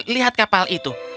lihat kapal itu